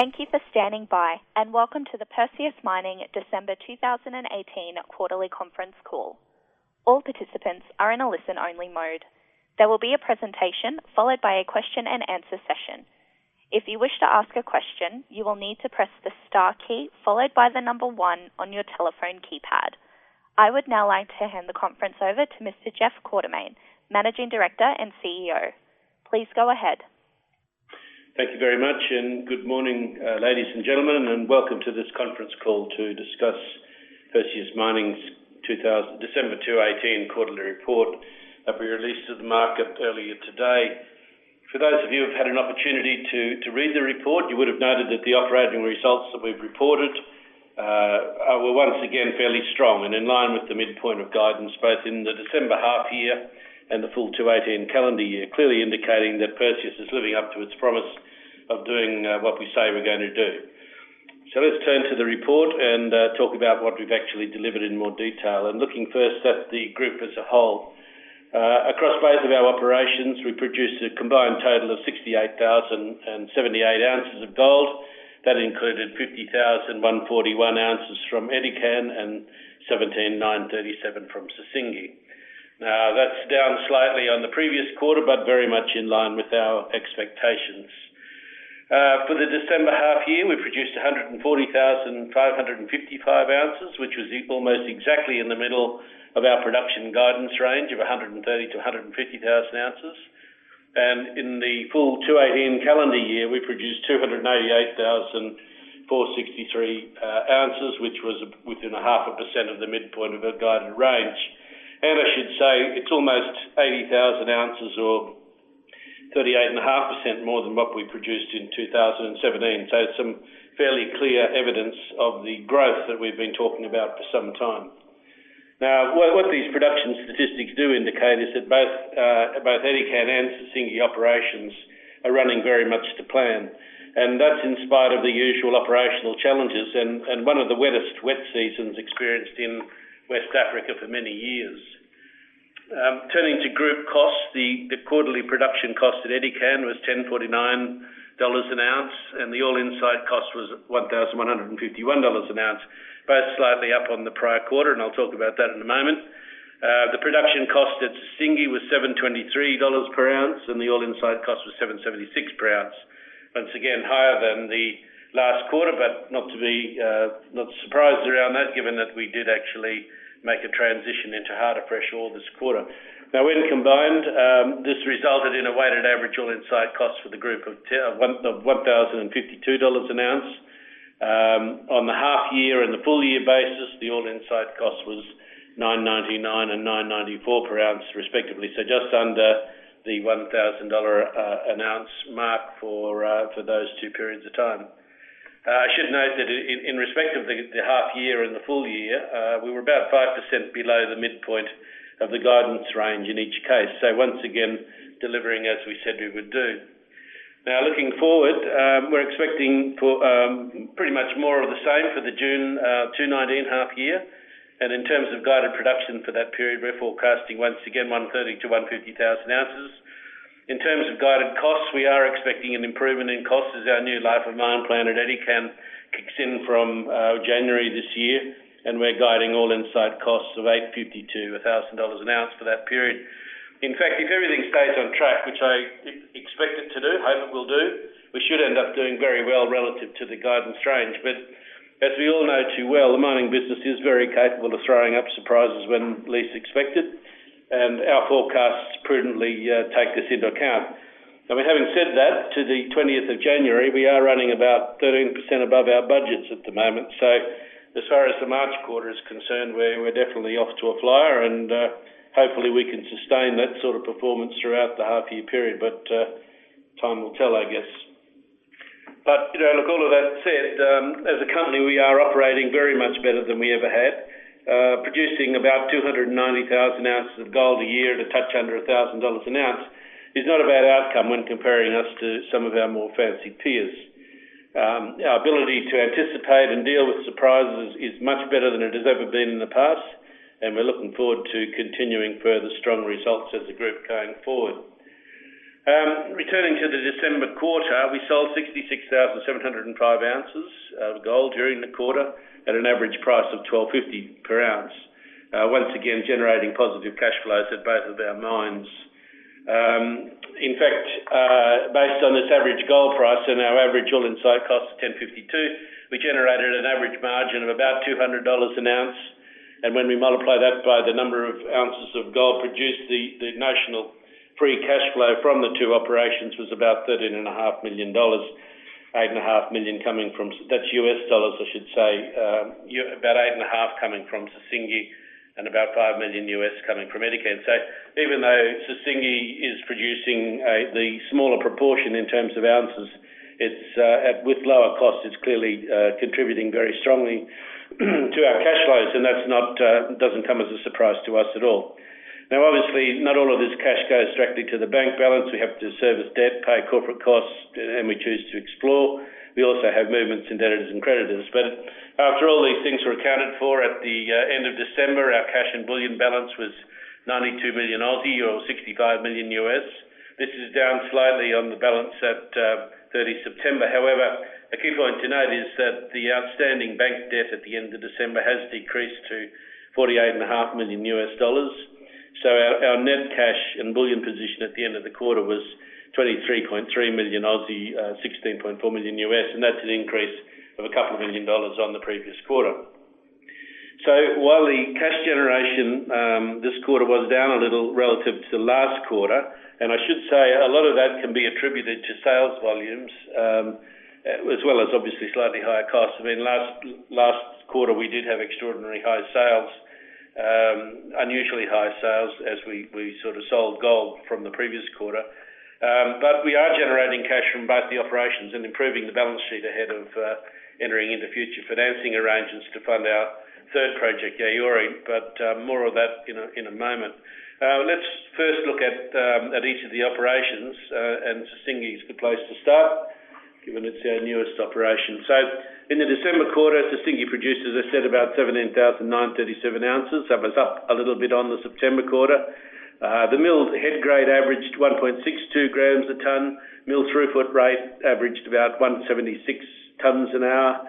Thank you for standing by, and welcome to the Perseus Mining December 2018 Quarterly Conference Call. All participants are in a listen-only mode. There will be a presentation followed by a question-and-answer session. If you wish to ask a question, you will need to press the star key followed by the number one on your telephone keypad. I would now like to hand the conference over to Mr. Jeff Quartermaine, Managing Director and CEO. Please go ahead. Thank you very much, and good morning, ladies and gentlemen, and welcome to this conference call to discuss Perseus Mining's December 2018 Quarterly Report that we released to the market earlier today. For those of you who've had an opportunity to read the report, you would have noted that the operating results that we've reported were once again fairly strong and in line with the midpoint of guidance both in the December half-year and the full 2018 calendar year, clearly indicating that Perseus is living up to its promise of doing what we say we're going to do. So let's turn to the report and talk about what we've actually delivered in more detail, and looking first at the group as a whole. Across both of our operations, we produced a combined total of 68,078 ounces of gold. That included 50,141 ounces from Edikan and 17,937 from Sissingué. Now, that's down slightly on the previous quarter, but very much in line with our expectations. For the December half-year, we produced 140,555 ounces, which was almost exactly in the middle of our production guidance range of 130,000-150,000 ounces. And in the full 2018 calendar year, we produced 288,463 ounces, which was within 0.5% of the midpoint of our guided range. And I should say it's almost 80,000 ounces or 38.5% more than what we produced in 2017, so some fairly clear evidence of the growth that we've been talking about for some time. Now, what these production statistics do indicate is that both Edikan and Sissingué operations are running very much to plan, and that's in spite of the usual operational challenges and one of the wettest wet seasons experienced in West Africa for many years. Turning to group costs, the quarterly production cost at Edikan was $1,049 an ounce, and the all-in site cost was $1,151 an ounce, both slightly up on the prior quarter, and I'll talk about that in a moment. The production cost at Sissingué was $723 per ounce, and the all-in site cost was $776 per ounce, once again higher than the last quarter, but not to be surprised around that given that we did actually make a transition into harder fresh ore this quarter. Now, when combined, this resulted in a weighted average all-in site cost for the group of $1,052 an ounce. On the half-year and the full-year basis, the all-in site cost was $999 and $994 per ounce respectively, so just under the $1,000 an ounce mark for those two periods of time. I should note that in respect of the half-year and the full-year, we were about 5% below the midpoint of the guidance range in each case, so once again delivering as we said we would do. Now, looking forward, we're expecting pretty much more of the same for the June 2019 half-year, and in terms of guided production for that period, we're forecasting once again 130,000-150,000 ounces. In terms of guided costs, we are expecting an improvement in costs as our new life of mine plant at Edikan kicks in from January this year, and we're guiding all-in site costs of $852 an ounce for that period. In fact, if everything stays on track, which I expect it to do, I hope it will do, we should end up doing very well relative to the guidance range. But as we all know too well, the mining business is very capable of throwing up surprises when least expected, and our forecasts prudently take this into account. Having said that, to the 20th of January, we are running about 13% above our budgets at the moment, so as far as the March quarter is concerned, we're definitely off to a flyer, and hopefully we can sustain that sort of performance throughout the half-year period, but time will tell, I guess. But look, all of that said, as a company, we are operating very much better than we ever had. Producing about 290,000 ounces of gold a year at a touch under $1,000 an ounce is not a bad outcome when comparing us to some of our more fancy peers. Our ability to anticipate and deal with surprises is much better than it has ever been in the past, and we're looking forward to continuing further strong results as a group going forward. Returning to the December quarter, we sold 66,705 ounces of gold during the quarter at an average price of $1,250 per ounce, once again generating positive cash flows at both of our mines. In fact, based on this average gold price and our average all-in site cost of $1,052, we generated an average margin of about $200 an ounce, and when we multiply that by the number of ounces of gold produced, the notional free cash flow from the two operations was about $13.5 million, $8.5 million coming from—that's US dollars, I should say—about $8.5 coming from Sissingué, and about $5 million US coming from Edikan. So even though Sissingué is producing the smaller proportion in terms of ounces, with lower costs, it's clearly contributing very strongly to our cash flows, and that doesn't come as a surprise to us at all. Now, obviously, not all of this cash goes directly to the bank balance. We have to service debt, pay corporate costs, and we choose to explore. We also have movements in debtors and creditors. But after all these things were accounted for at the end of December, our cash and bullion balance was 92 million or $65 million. This is down slightly on the balance at 30 September. However, a key point to note is that the outstanding bank debt at the end of December has decreased to $48.5 million USD, so our net cash and bullion position at the end of the quarter was 23.3 million, $16.4 million USD, and that's an increase of a couple of million dollars on the previous quarter. So while the cash generation this quarter was down a little relative to last quarter, and I should say a lot of that can be attributed to sales volumes, as well as obviously slightly higher costs. I mean, last quarter we did have extraordinarily high sales, unusually high sales as we sort of sold gold from the previous quarter. But we are generating cash from both the operations and improving the balance sheet ahead of entering into future financing arrangements to fund our third project, Yaouré, but more of that in a moment. Let's first look at each of the operations, and Sissingué is the place to start given it's our newest operation. So in the December quarter, Sissingué produced, as I said, about 17,937 ounces, so it was up a little bit on the September quarter. The mill head grade averaged 1.62 grams a tonne, mill throughput rate averaged about 176 tonnes an hour.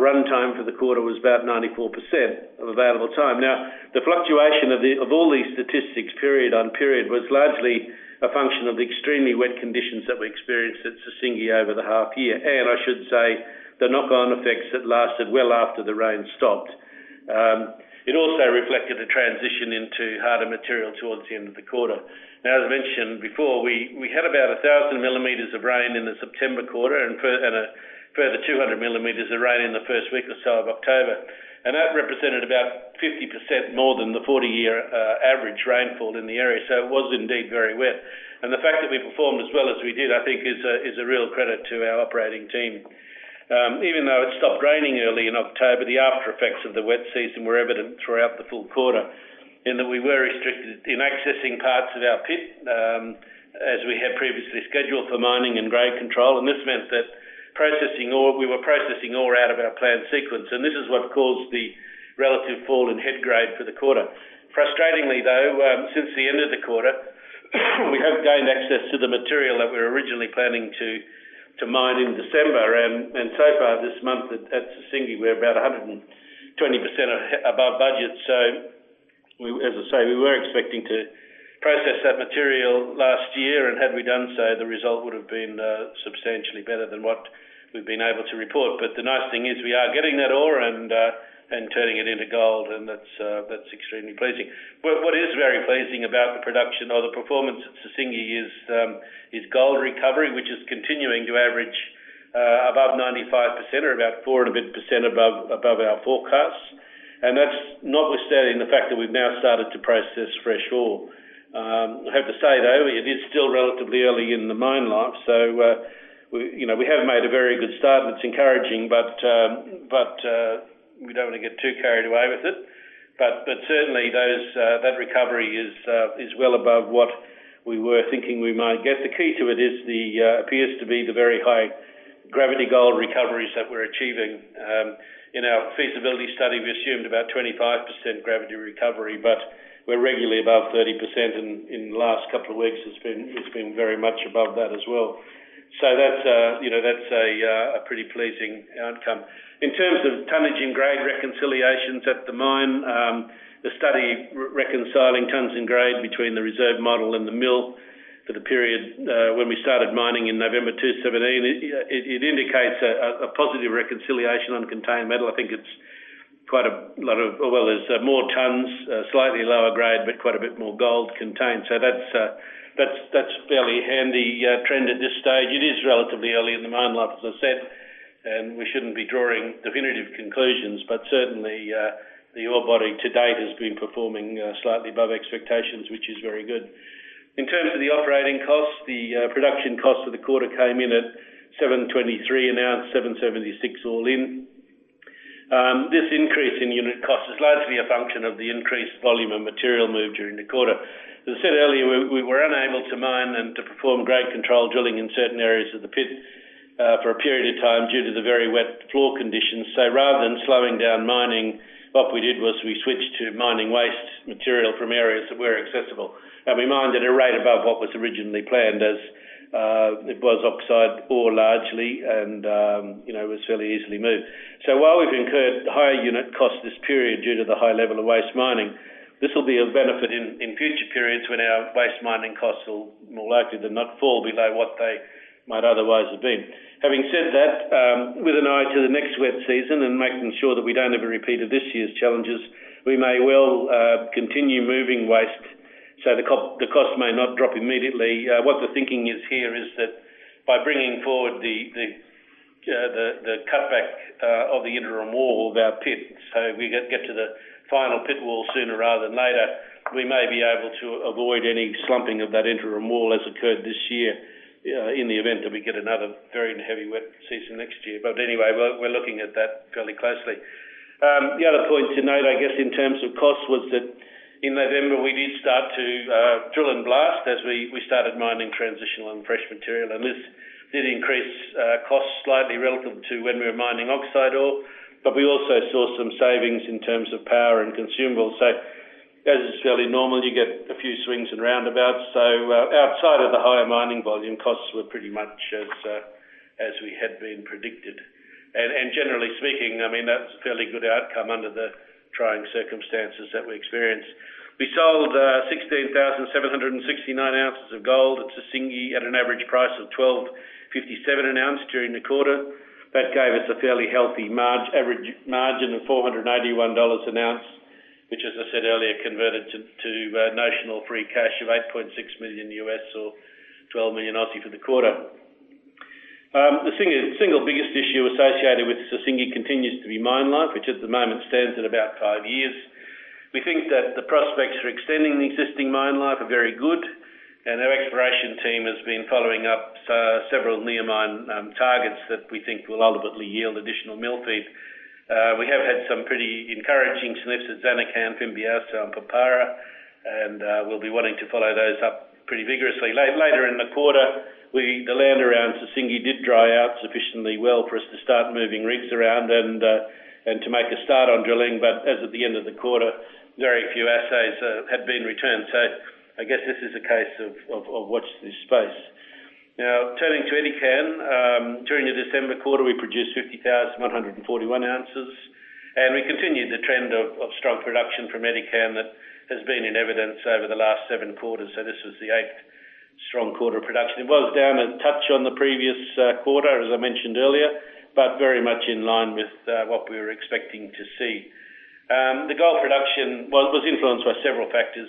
Runtime for the quarter was about 94% of available time. Now, the fluctuation of all these statistics period on period was largely a function of the extremely wet conditions that we experienced at Sissingué over the half-year, and I should say the knock-on effects that lasted well after the rain stopped. It also reflected a transition into harder material towards the end of the quarter. Now, as I mentioned before, we had about 1,000 millimeters of rain in the September quarter and further 200 millimeters of rain in the first week or so of October, and that represented about 50% more than the 40-year average rainfall in the area, so it was indeed very wet, and the fact that we performed as well as we did, I think, is a real credit to our operating team. Even though it stopped raining early in October, the aftereffects of the wet season were evident throughout the full quarter, in that we were restricted in accessing parts of our pit as we had previously scheduled for mining and grade control, and this meant that we were processing ore out of our planned sequence, and this is what caused the relative fall in head grade for the quarter. Frustratingly, though, since the end of the quarter, we have gained access to the material that we were originally planning to mine in December, and so far this month at Sissingué, we're about 120% above budget, so as I say, we were expecting to process that material last year, and had we done so, the result would have been substantially better than what we've been able to report. But the nice thing is we are getting that ore and turning it into gold, and that's extremely pleasing. What is very pleasing about the production or the performance at Sissingué is gold recovery, which is continuing to average above 95% or about four and a bit % above our forecasts, and that's notwithstanding the fact that we've now started to process fresh ore. I have to say, though, it is still relatively early in the mine life, so we have made a very good start, and it's encouraging, but we don't want to get too carried away with it. But certainly, that recovery is well above what we were thinking we might get. The key to it appears to be the very high gravity gold recoveries that we're achieving. In our feasibility study, we assumed about 25% gravity recovery, but we're regularly above 30%, and in the last couple of weeks, it's been very much above that as well, so that's a pretty pleasing outcome. In terms of tonnage and grade reconciliations at the mine, the study reconciling tonnes and grade between the reserve model and the mill for the period when we started mining in November 2017, it indicates a positive reconciliation on contained metal. I think it's quite a lot of, well, there's more tonnes, slightly lower grade, but quite a bit more gold contained, so that's fairly handy trend at this stage. It is relatively early in the mine life, as I said, and we shouldn't be drawing definitive conclusions, but certainly, the ore body to date has been performing slightly above expectations, which is very good. In terms of the operating costs, the production costs for the quarter came in at $723 an ounce, $776 all in. This increase in unit costs is largely a function of the increased volume of material moved during the quarter. As I said earlier, we were unable to mine and to perform grade control drilling in certain areas of the pit for a period of time due to the very wet floor conditions, so rather than slowing down mining, what we did was we switched to mining waste material from areas that were accessible, and we mined at a rate above what was originally planned, as it was oxide ore largely, and it was fairly easily moved. While we've incurred higher unit costs this period due to the high level of waste mining, this will be of benefit in future periods when our waste mining costs will more likely than not fall below what they might otherwise have been. Having said that, with an eye to the next wet season and making sure that we don't have a repeat of this year's challenges, we may well continue moving waste, so the costs may not drop immediately. What the thinking is here is that by bringing forward the cutback of the interim wall of our pit, so we get to the final pit wall sooner rather than later, we may be able to avoid any slumping of that interim wall as occurred this year in the event that we get another very heavy wet season next year. But anyway, we're looking at that fairly closely. The other point to note, I guess, in terms of costs, was that in November we did start to drill and blast as we started mining transitional and fresh material, and this did increase costs slightly relative to when we were mining oxide ore, but we also saw some savings in terms of power and consumables, so as is fairly normal, you get a few swings and roundabouts, so outside of the higher mining volume, costs were pretty much as we had been predicted, and generally speaking, I mean, that's a fairly good outcome under the trying circumstances that we experienced. We sold 16,769 ounces of gold at Sissingué at an average price of $12.57 an ounce during the quarter. That gave us a fairly healthy average margin of $481 an ounce, which, as I said earlier, converted to notional free cash of $8.6 million USD or 12 million for the quarter. The single biggest issue associated with Sissingué continues to be mine life, which at the moment stands at about five years. We think that the prospects for extending the existing mine life are very good, and our exploration team has been following up several near-mine targets that we think will ultimately yield additional mill feed. We have had some pretty encouraging sniffs at Zanakan, M’Bengué, and Papara, and we'll be wanting to follow those up pretty vigorously. Later in the quarter, the land around Sissingué did dry out sufficiently well for us to start moving reefs around and to make a start on drilling, but as of the end of the quarter, very few assays had been returned, so I guess this is a case of watch this space. Now, turning to Edikan, during the December quarter, we produced 50,141 ounces, and we continued the trend of strong production from Edikan that has been in evidence over the last seven quarters, so this was the eighth strong quarter of production. It was down a touch on the previous quarter, as I mentioned earlier, but very much in line with what we were expecting to see. The gold production was influenced by several factors.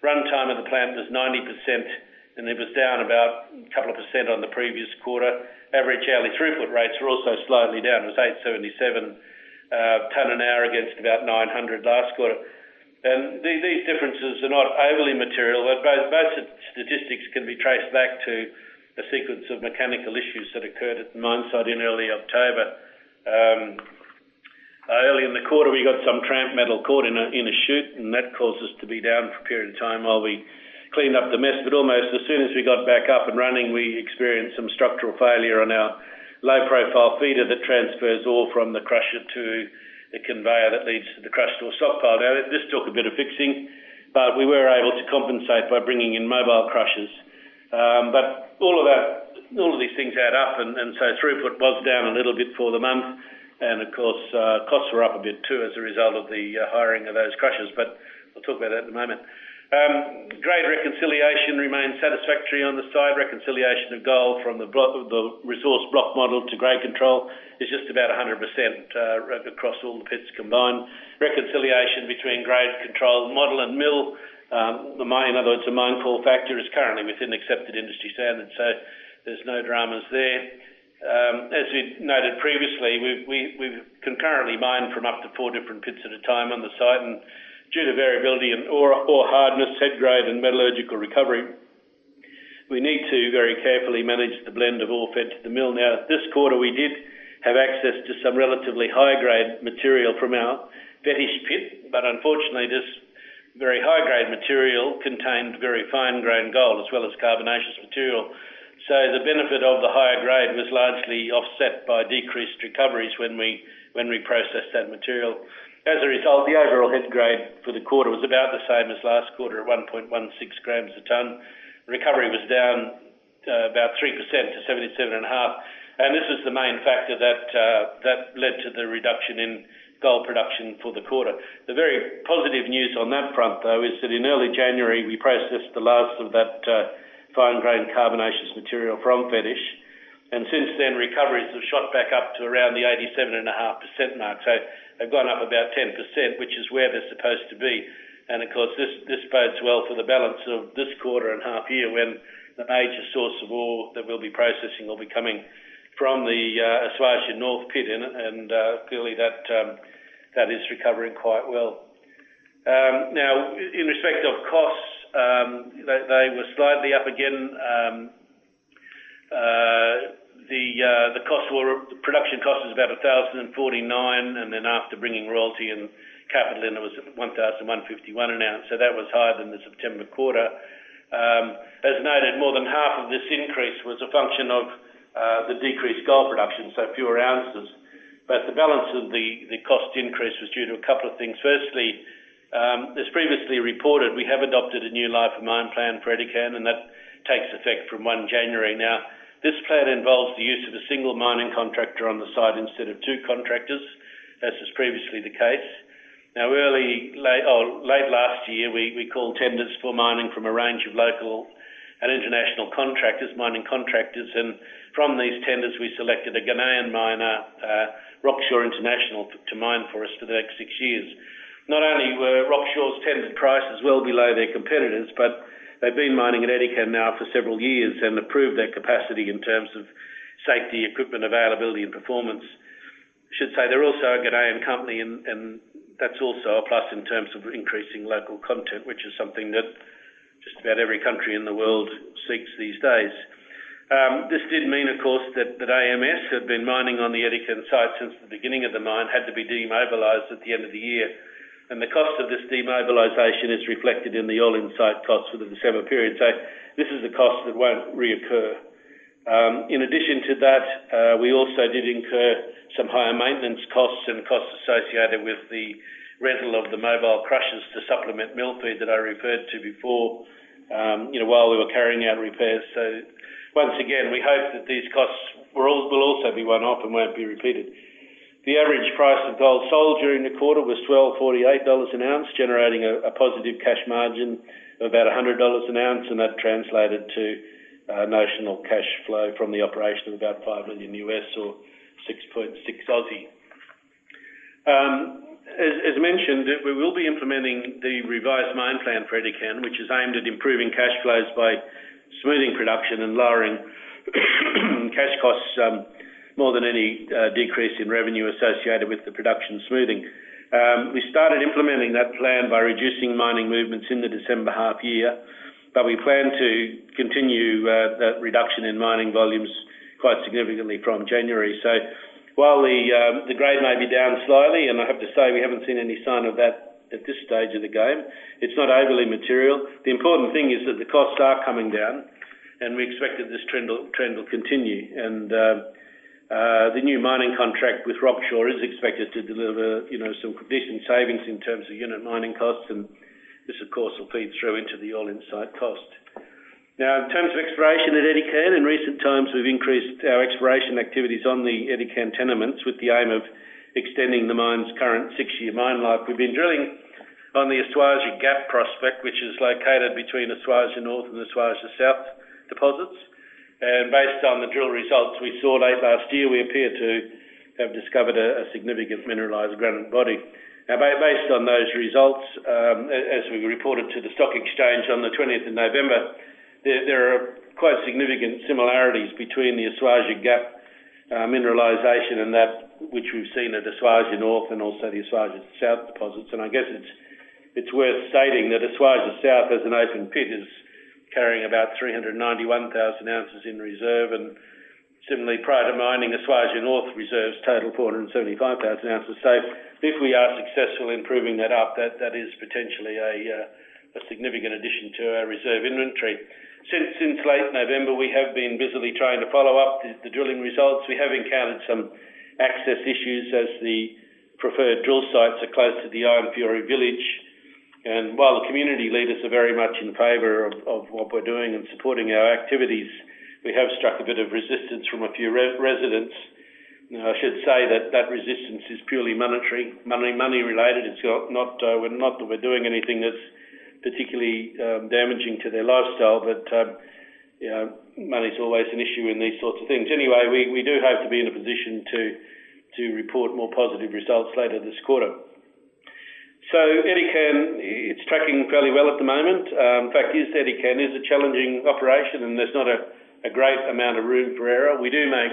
Runtime of the plant was 90%, and it was down about a couple of % on the previous quarter. Average hourly throughput rates were also slightly down. It was 877 tonnes an hour against about 900 last quarter. And these differences are not overly material, but both statistics can be traced back to a sequence of mechanical issues that occurred at the mine site in early October. Early in the quarter, we got some tramp metal caught in a chute, and that caused us to be down for a period of time while we cleaned up the mess, but almost as soon as we got back up and running, we experienced some structural failure on our low-profile feeder that transfers ore from the crusher to the conveyor that leads to the crushed ore stockpile. Now, this took a bit of fixing, but we were able to compensate by bringing in mobile crushers. But all of these things add up, and so throughput was down a little bit for the month, and of course, costs were up a bit too as a result of the hiring of those crushers, but we'll talk about that in a moment. Grade reconciliation remained satisfactory onsite. Reconciliation of gold from the resource block model to grade control is just about 100% across all the pits combined. Reconciliation between grade control model and mill, in other words, the Mine Call Factor is currently within accepted industry standards, so there's no dramas there. As we noted previously, we've concurrently mined from up to four different pits at a time on the site, and due to variability in ore hardness, head grade, and metallurgical recovery, we need to very carefully manage the blend of ore fed to the mill. Now, this quarter, we did have access to some relatively high-grade material from our Fetish pits, but unfortunately, this very high-grade material contained very fine-grained gold as well as carbonaceous material, so the benefit of the higher grade was largely offset by decreased recoveries when we processed that material. As a result, the overall head grade for the quarter was about the same as last quarter at 1.16 grams a tonne. Recovery was down about 3% to 77.5%, and this was the main factor that led to the reduction in gold production for the quarter. The very positive news on that front, though, is that in early January, we processed the last of that fine-grained carbonaceous material from Fetish, and since then, recoveries have shot back up to around the 87.5% mark, so they've gone up about 10%, which is where they're supposed to be. And of course, this bodes well for the balance of this quarter and half-year when the major source of ore that we'll be processing will be coming from the Esuajah North pit, and clearly, that is recovering quite well. Now, in respect of costs, they were slightly up again. The production cost was about $1,049, and then after bringing royalty and capital, it was $1,151 an ounce, so that was higher than the September quarter. As noted, more than half of this increase was a function of the decreased gold production, so fewer ounces. But the balance of the cost increase was due to a couple of things. Firstly, as previously reported, we have adopted a new life of mine plan for Edikan, and that takes effect from January 1. Now, this plan involves the use of a single mining contractor on the site instead of two contractors, as was previously the case. Now, late last year, we called tenders for mining from a range of local and international contractors, mining contractors, and from these tenders, we selected a Ghanaian miner, Rocksure International, to mine for us for the next six years. Not only were Rocksure's tender prices well below their competitors, but they've been mining at Edikan now for several years and have proved their capacity in terms of safety, equipment availability, and performance. I should say they're also a Ghanaian company, and that's also a plus in terms of increasing local content, which is something that just about every country in the world seeks these days. This did mean, of course, that AMS had been mining on the Edikan site since the beginning of the mine, had to be demobilized at the end of the year, and the cost of this demobilization is reflected in the all-in site costs for the December period, so this is a cost that won't reoccur. In addition to that, we also did incur some higher maintenance costs and costs associated with the rental of the mobile crushers to supplement mill feed that I referred to before while we were carrying out repairs. So once again, we hope that these costs will also be one-off and won't be repeated. The average price of gold sold during the quarter was $1,248 an ounce, generating a positive cash margin of about $100 an ounce, and that translated to notional cash flow from the operation of about $5 million USD or 6.6 million. As mentioned, we will be implementing the revised mine plan for Edikan, which is aimed at improving cash flows by smoothing production and lowering cash costs more than any decrease in revenue associated with the production smoothing. We started implementing that plan by reducing mining movements in the December half-year, but we plan to continue that reduction in mining volumes quite significantly from January. So while the grade may be down slightly, and I have to say we haven't seen any sign of that at this stage of the game, it's not overly material. The important thing is that the costs are coming down, and we expect that this trend will continue. And the new mining contract with Rocksure is expected to deliver some additional savings in terms of unit mining costs, and this, of course, will feed through into the all-in site cost. Now, in terms of exploration at Edikan, in recent times, we've increased our exploration activities on the Edikan tenements with the aim of extending the mine's current six-year mine life. We've been drilling on the Esuajah Gap prospect, which is located between Esuajah North and Esuajah South deposits, and based on the drill results we saw late last year, we appear to have discovered a significant mineralized granite body. Now, based on those results, as we reported to the stock exchange on the 20th of November, there are quite significant similarities between the Esuajah Gap mineralisation and that which we've seen at Esuajah North and also the Esuajah South deposits. And I guess it's worth stating that Esuajah South, as an open pit, is carrying about 391,000 ounces in reserve, and similarly, prior to mining, Esuajah North reserves total 475,000 ounces. So if we are successful in proving that up, that is potentially a significant addition to our reserve inventory. Since late November, we have been busily trying to follow up the drilling results. We have encountered some access issues as the preferred drill sites are close to the Ayanfuri village, and while the community leaders are very much in favor of what we're doing and supporting our activities, we have struck a bit of resistance from a few residents. Now, I should say that that resistance is purely monetary related. It's not that we're doing anything that's particularly damaging to their lifestyle, but money's always an issue in these sorts of things. Anyway, we do have to be in a position to report more positive results later this quarter. So Edikan, it's tracking fairly well at the moment. In fact, East Edikan is a challenging operation, and there's not a great amount of room for error. We do make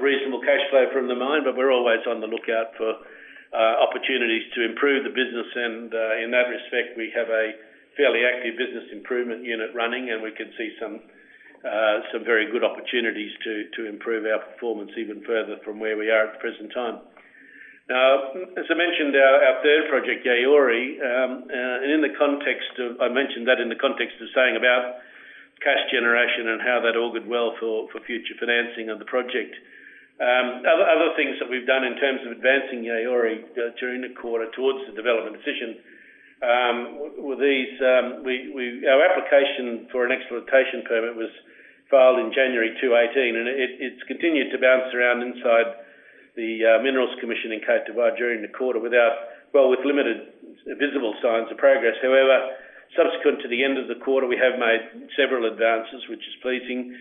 reasonable cash flow from the mine, but we're always on the lookout for opportunities to improve the business, and in that respect, we have a fairly active business improvement unit running, and we could see some very good opportunities to improve our performance even further from where we are at the present time. Now, as I mentioned, our third project, Yaouré, and in the context of saying about cash generation and how that augured well for future financing of the project. Other things that we've done in terms of advancing Yaouré during the quarter towards the development decision were these: our application for an exploitation permit was filed in January 2018, and it's continued to bounce around inside the Minerals Commission in Côte d'Ivoire during the quarter without, well, with limited visible signs of progress. However, subsequent to the end of the quarter, we have made several advances, which is pleasing.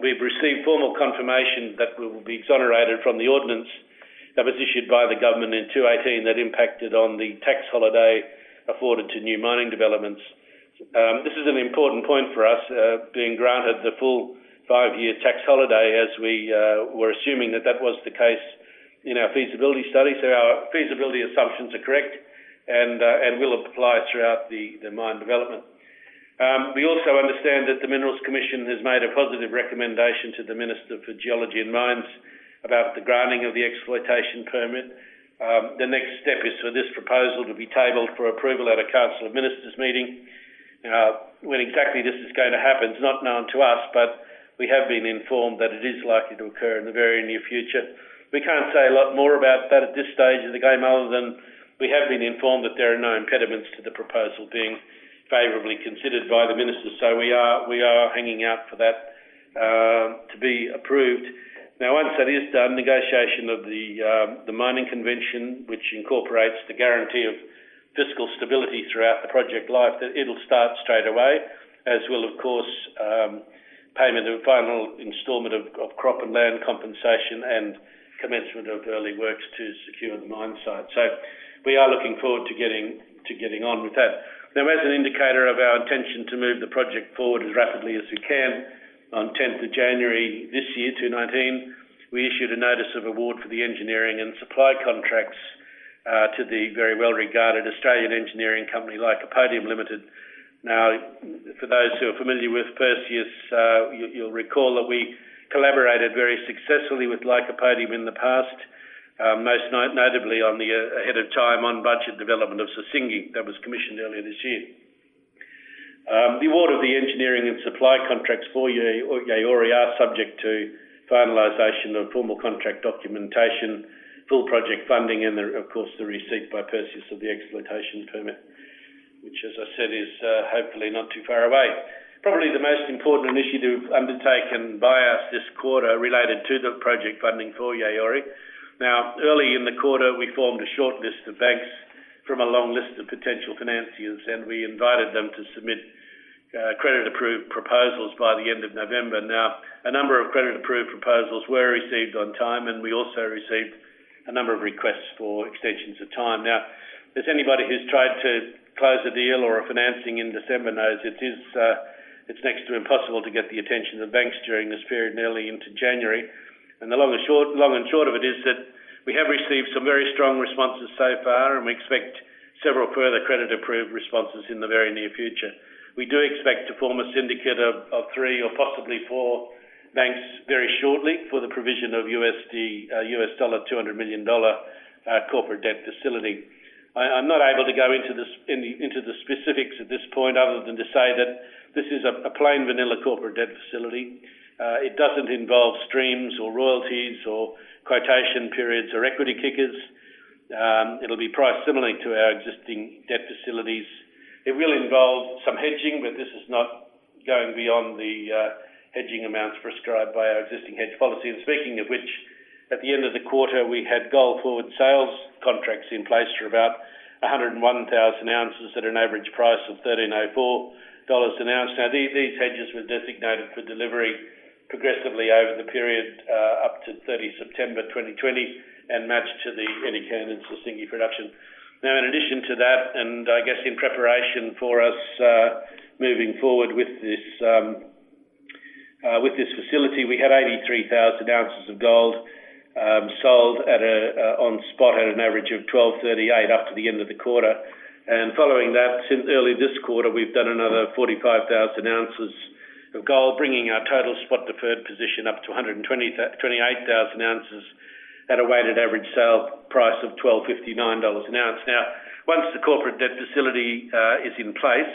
We've received formal confirmation that we will be exonerated from the ordinance that was issued by the government in 2018 that impacted on the tax holiday afforded to new mining developments. This is an important point for us, being granted the full five-year tax holiday, as we were assuming that that was the case in our feasibility study, so our feasibility assumptions are correct and will apply throughout the mine development. We also understand that the Minerals Commission has made a positive recommendation to the Minister for Geology and Mines about the granting of the exploitation permit. The next step is for this proposal to be tabled for approval at a Council of Ministers meeting. When exactly this is going to happen is not known to us, but we have been informed that it is likely to occur in the very near future. We can't say a lot more about that at this stage of the game other than we have been informed that there are no impediments to the proposal being favorably considered by the Minister, so we are hanging out for that to be approved. Now, once that is done, negotiation of the mining convention, which incorporates the guarantee of fiscal stability throughout the project life, it'll start straight away, as will, of course, payment and final instalment of crop and land compensation and commencement of early works to secure the mine site. So we are looking forward to getting on with that. Now, as an indicator of our intention to move the project forward as rapidly as we can, on 10th of January this year, 2019, we issued a notice of award for the engineering and supply contracts to the very well-regarded Australian engineering company Lycopodium Limited. Now, for those who are familiar with Perseus, you'll recall that we collaborated very successfully with Lycopodium in the past, most notably ahead of time on budget development of Sissingué that was commissioned earlier this year. The award of the engineering and supply contracts for Yaouré are subject to finalization of formal contract documentation, full project funding, and, of course, the receipt by Perseus of the exploitation permit, which, as I said, is hopefully not too far away. Probably the most important initiative undertaken by us this quarter related to the project funding for Yaouré. Now, early in the quarter, we formed a shortlist of banks from a long list of potential financiers, and we invited them to submit credit-approved proposals by the end of November. Now, a number of credit-approved proposals were received on time, and we also received a number of requests for extensions of time. Now, if anybody who's tried to close a deal or a financing in December knows it's next to impossible to get the attention of banks during this period, nearly into January. And the long and short of it is that we have received some very strong responses so far, and we expect several further credit-approved responses in the very near future. We do expect to form a syndicate of three or possibly four banks very shortly for the provision of $200 million corporate debt facility. I'm not able to go into the specifics at this point other than to say that this is a plain vanilla corporate debt facility. It doesn't involve streams or royalties or quotation periods or equity kickers. It'll be priced similarly to our existing debt facilities. It will involve some hedging, but this is not going beyond the hedging amounts prescribed by our existing hedge policy. Speaking of which, at the end of the quarter, we had gold forward sales contracts in place for about 101,000 ounces at an average price of $1,304 an ounce. Now, these hedges were designated for delivery progressively over the period up to 30 September 2020 and matched to the Edikan and Sissingué production. Now, in addition to that, and I guess in preparation for us moving forward with this facility, we had 83,000 ounces of gold sold on spot at an average of $1,238 up to the end of the quarter. And following that, since early this quarter, we've done another 45,000 ounces of gold, bringing our total spot-deferred position up to 128,000 at a weighted average sale price of $1,259 an ounce. Now, once the corporate debt facility is in place,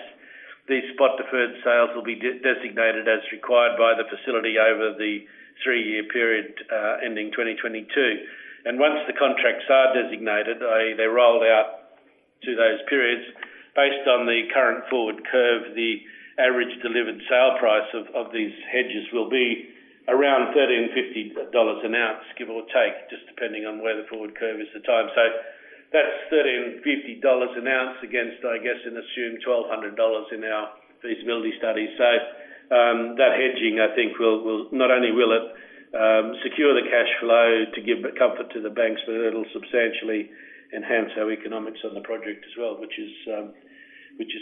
these spot-deferred sales will be designated as required by the facility over the three-year period ending 2022. Once the contracts are designated, they roll out to those periods. Based on the current forward curve, the average delivered sale price of these hedges will be around $1,350 an ounce, give or take, just depending on where the forward curve is at times. So that's $1,350 an ounce against, I guess, an assumed $1,200 in our feasibility study. So that hedging, I think, will not only secure the cash flow to give comfort to the banks, but it'll substantially enhance our economics on the project as well, which is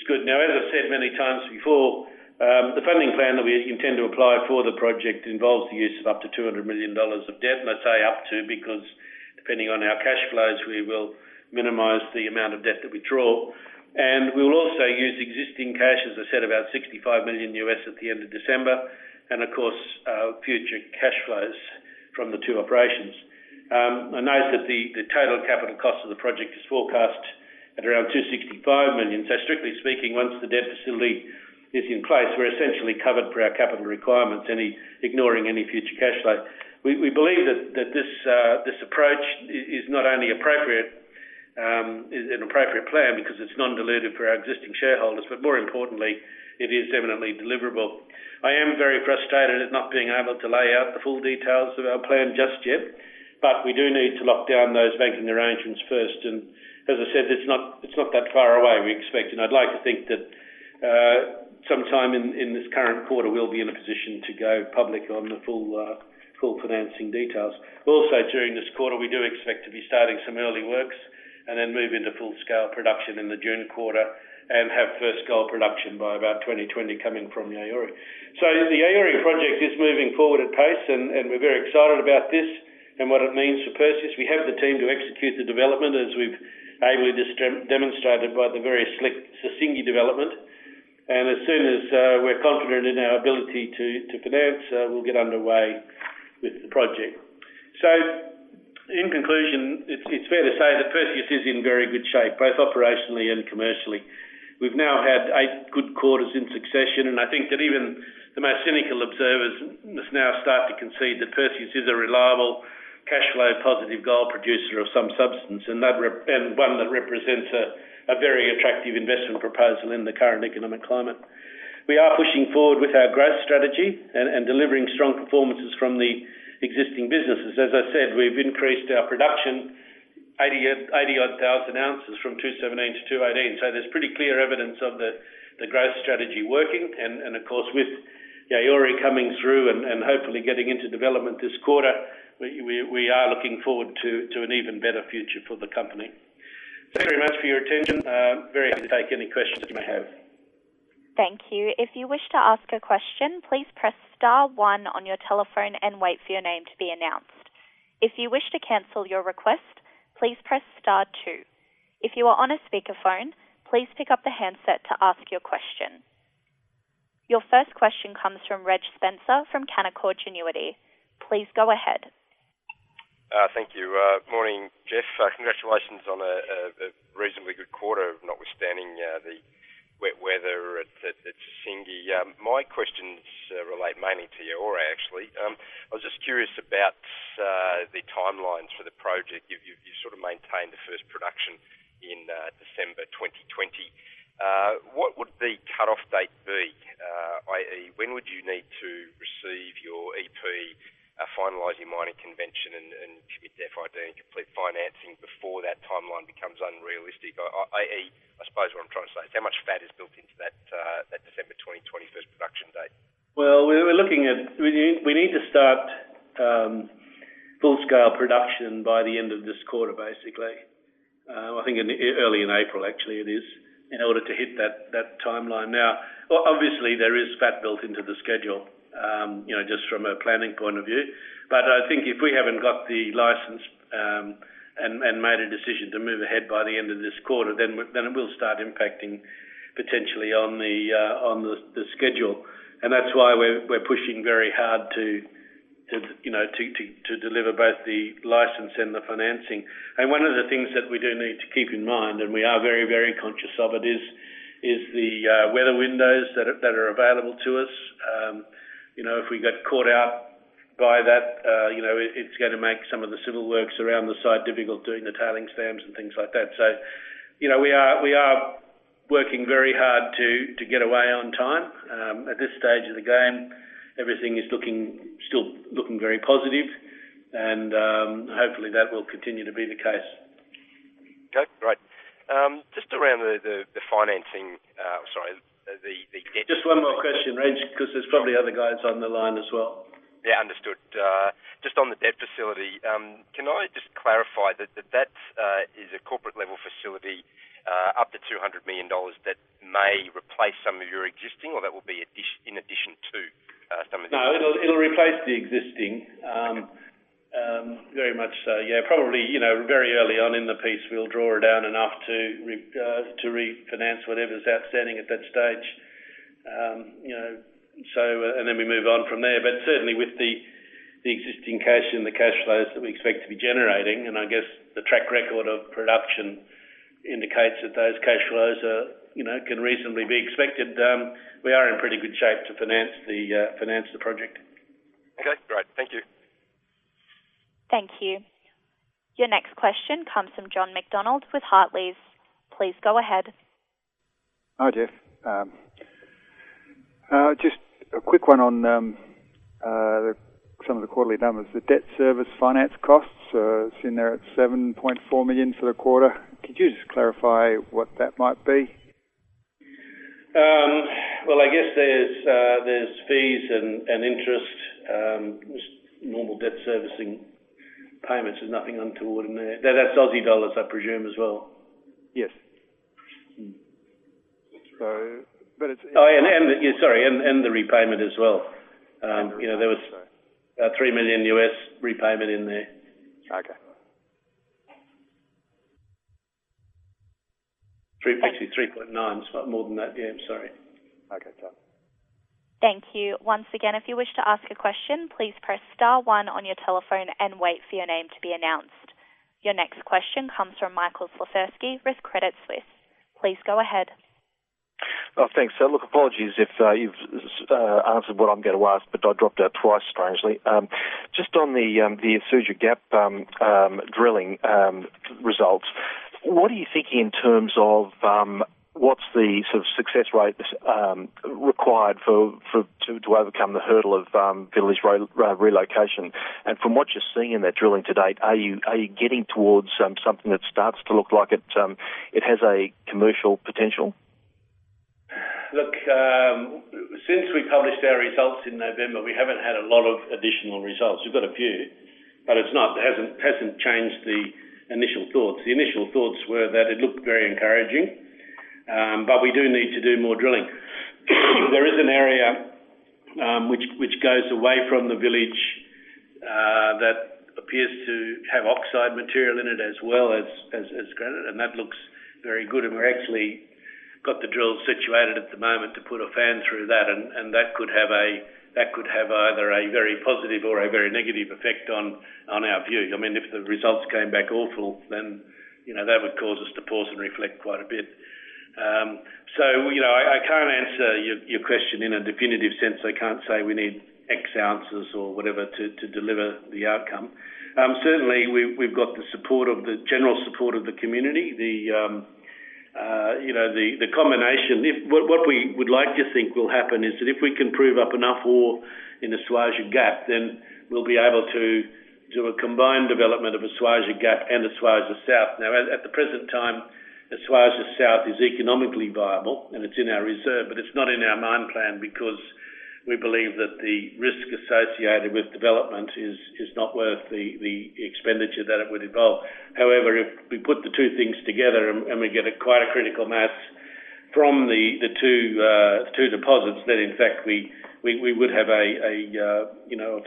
good. Now, as I've said many times before, the funding plan that we intend to apply for the project involves the use of up to $200 million of debt, and I say up to because depending on our cash flows, we will minimize the amount of debt that we draw. We will also use existing cash, as I said, about $65 million at the end of December, and of course, future cash flows from the two operations. I know that the total capital cost of the project is forecast at around $265 million. So strictly speaking, once the debt facility is in place, we're essentially covered for our capital requirements, ignoring any future cash flow. We believe that this approach is not only an appropriate plan because it's non-dilutive for our existing shareholders, but more importantly, it is eminently deliverable. I am very frustrated at not being able to lay out the full details of our plan just yet, but we do need to lock down those banking arrangements first. As I said, it's not that far away, we expect. I'd like to think that sometime in this current quarter, we'll be in a position to go public on the full financing details. Also, during this quarter, we do expect to be starting some early works and then move into full-scale production in the June quarter and have first gold production by about 2020 coming from Yaouré. The Yaouré project is moving forward apace, and we're very excited about this and what it means for Perseus. We have the team to execute the development, as we've ably demonstrated by the very slick Sissingué development. As soon as we're confident in our ability to finance, we'll get underway with the project. In conclusion, it's fair to say that Perseus is in very good shape, both operationally and commercially. We've now had eight good quarters in succession, and I think that even the most cynical observers must now start to concede that Perseus is a reliable, cash flow positive gold producer of some substance and one that represents a very attractive investment proposal in the current economic climate. We are pushing forward with our growth strategy and delivering strong performances from the existing businesses. As I said, we've increased our production 80-odd thousand ounces from 2017 to 2018. So there's pretty clear evidence of the growth strategy working. And of course, with Yaouré coming through and hopefully getting into development this quarter, we are looking forward to an even better future for the company. Thank you very much for your attention. I'm very happy to take any questions you may have. Thank you. If you wish to ask a question, please press Star 1 on your telephone and wait for your name to be announced. If you wish to cancel your request, please press Star 2. If you are on a speakerphone, please pick up the handset to ask your question. Your first question comes from Reg Spencer from Canaccord Genuity. Please go ahead. Thank you. Morning, Jeff. Congratulations on a reasonably good quarter, notwithstanding the wet weather at Sissingué. My questions relate mainly to Yaouré, actually. I was just curious about the timelines for the project. You sort of maintained the first production in December 2020. What would the cutoff date be, i.e., when would you need to receive your EP finalising mining convention and submit to FID and complete financing before that timeline becomes unrealistic? i.e., I suppose what I'm trying to say is how much fat is built into that December 2020 first production date? We're looking at we need to start full-scale production by the end of this quarter, basically. I think early in April, actually, it is, in order to hit that timeline. Now, obviously, there is fat built into the schedule just from a planning point of view. But I think if we haven't got the license and made a decision to move ahead by the end of this quarter, then it will start impacting potentially on the schedule. That's why we're pushing very hard to deliver both the license and the financing. One of the things that we do need to keep in mind, and we are very, very conscious of it, is the weather windows that are available to us. If we get caught out by that, it's going to make some of the civil works around the site difficult, doing the tailings dams and things like that. So we are working very hard to get away on time. At this stage of the game, everything is still looking very positive, and hopefully, that will continue to be the case. Okay. Great. Just around the financing, sorry, the. Just one more question, Reg, because there's probably other guys on the line as well. Yeah, understood. Just on the debt facility, can I just clarify that that is a corporate-level facility up to $200 million that may replace some of your existing, or that will be in addition to some of the? No, it'll replace the existing very much. So yeah, probably very early on in the piece, we'll draw it out enough to refinance whatever's outstanding at that stage. And then we move on from there. But certainly, with the existing cash and the cash flows that we expect to be generating, and I guess the track record of production indicates that those cash flows can reasonably be expected, we are in pretty good shape to finance the project. Okay. Great. Thank you. Thank you. Your next question comes from John McDonald with Hartleys. Please go ahead. Hi, Jeff. Just a quick one on some of the quarterly numbers. The debt service finance costs are sitting there at $7.4 million for the quarter. Could you just clarify what that might be? I guess there's fees and interest, normal debt servicing payments. There's nothing untoward in there. That's Aussie dollars, I presume, as well. Yes. But it's. Oh, and the, yeah, sorry. And the repayment as well. There was about $3 million US repayment in there. Okay. Actually, 3.9. It's more than that. Yeah, sorry. Okay. Done. Thank you. Once again, if you wish to ask a question, please press Star 1 on your telephone and wait for your name to be announced. Your next question comes from Michael Slifirski of Credit Suisse. Please go ahead. Thanks. Look, apologies if you've answered what I'm going to ask, but I dropped out twice, strangely. Just on the Esuajah Gap drilling results, what are you thinking in terms of what's the sort of success rate required to overcome the hurdle of village relocation? And from what you're seeing in that drilling to date, are you getting towards something that starts to look like it has a commercial potential? Look, since we published our results in November, we haven't had a lot of additional results. We've got a few, but it hasn't changed the initial thoughts. The initial thoughts were that it looked very encouraging, but we do need to do more drilling. There is an area which goes away from the village that appears to have oxide material in it as well as granite, and that looks very good. And we've actually got the drill situated at the moment to put a fan through that, and that could have either a very positive or a very negative effect on our view. I mean, if the results came back awful, then that would cause us to pause and reflect quite a bit. So I can't answer your question in a definitive sense. I can't say we need X ounces or whatever to deliver the outcome. Certainly, we've got the general support of the community. The combination, what we would like to think will happen is that if we can prove up enough ore in the Esuajah Gap, then we'll be able to do a combined development of a Esuajah Gap and a Esuajah South. Now, at the present time, the Esuajah South is economically viable, and it's in our reserve, but it's not in our mine plan because we believe that the risk associated with development is not worth the expenditure that it would involve. However, if we put the two things together and we get quite a critical mass from the two deposits, then in fact, we would have a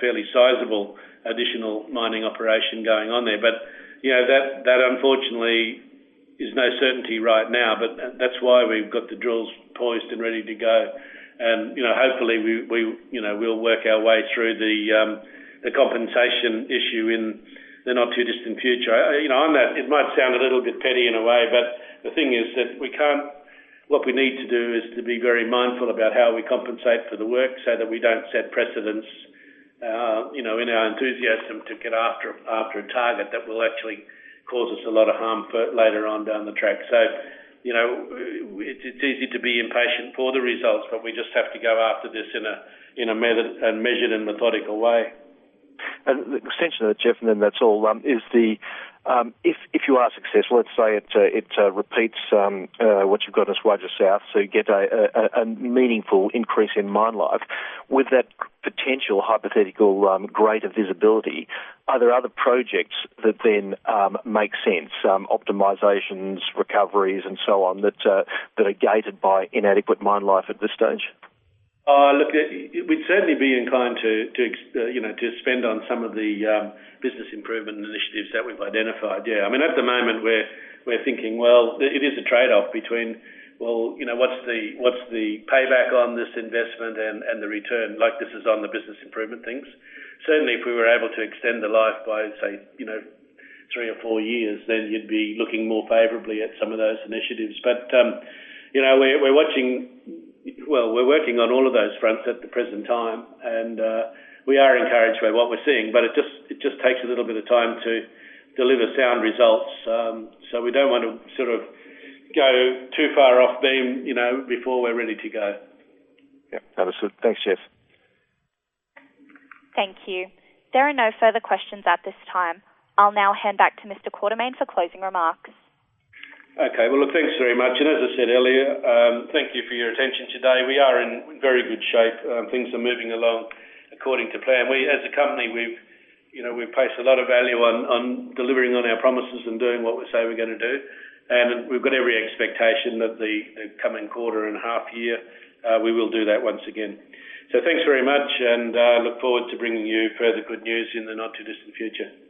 fairly sizable additional mining operation going on there. But that, unfortunately, is no certainty right now, but that's why we've got the drills poised and ready to go. And hopefully, we'll work our way through the compensation issue in the not-too-distant future. It might sound a little bit petty in a way, but the thing is that what we need to do is to be very mindful about how we compensate for the work so that we don't set precedents in our enthusiasm to get after a target that will actually cause us a lot of harm later on down the track. So it's easy to be impatient for the results, but we just have to go after this in a measured and methodical way. Essentially, Jeff, and then that's all, is if you are successful, let's say it repeats what you've got in Esuajah South, so you get a meaningful increase in mine life. With that potential hypothetical grade of visibility, are there other projects that then make sense, optimizations, recoveries, and so on, that are gated by inadequate mine life at this stage? Look, we'd certainly be inclined to spend on some of the business improvement initiatives that we've identified. Yeah. I mean, at the moment, we're thinking, well, it is a trade-off between, well, what's the payback on this investment and the return like this is on the business improvement things? Certainly, if we were able to extend the life by, say, three or four years, then you'd be looking more favorably at some of those initiatives. But we're watching, well, we're working on all of those fronts at the present time, and we are encouraged by what we're seeing, but it just takes a little bit of time to deliver sound results. So we don't want to sort of go too far off beam before we're ready to go. Yep. Understood. Thanks, Jeff. Thank you. There are no further questions at this time. I'll now hand back to Mr. Quartermaine for closing remarks. Okay. Well, look, thanks very much. And as I said earlier, thank you for your attention today. We are in very good shape. Things are moving along according to plan. As a company, we place a lot of value on delivering on our promises and doing what we say we're going to do. And we've got every expectation that the coming quarter and half year, we will do that once again. So thanks very much, and I look forward to bringing you further good news in the not-too-distant future.